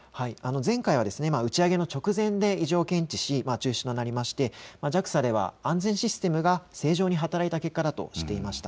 前回は打ち上げの直前で異常を検知し中止となってＪＡＸＡでは安全システムが正常に働いた結果だとしていました。